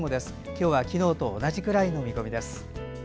今日は、昨日と同じぐらいの見込みです。